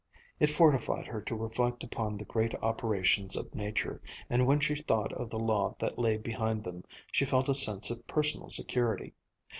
It fortified her to reflect upon the great operations of nature, and when she thought of the law that lay behind them, she felt a sense of personal security.